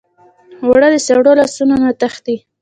اوړه د سړو لاسو نه تښتي